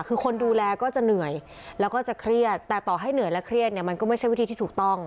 คือคนดูแลก็จะเหนื่อยแล้วก็จะเครียดแต่ต่อให้เหนื่อยและเครียดเนี่ยมันก็ไม่ใช่วิธีที่ถูกต้อง